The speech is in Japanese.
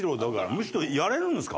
むしろやれるんですか？